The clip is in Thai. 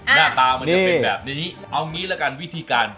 น่าตามันจะเป็นแบบนี้เอาอย่างนี้แล้วกันวิธีการ